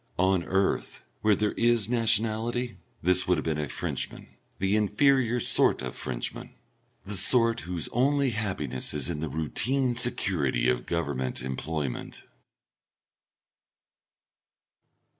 On earth, where there is nationality, this would have been a Frenchman the inferior sort of Frenchman the sort whose only happiness is in the routine security of Government employment.